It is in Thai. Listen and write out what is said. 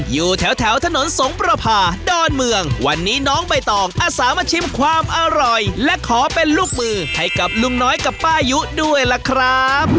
อยู่แถวถนนสงประพาดอนเมืองวันนี้น้องใบตองอาสามาชิมความอร่อยและขอเป็นลูกมือให้กับลุงน้อยกับป้ายุด้วยล่ะครับ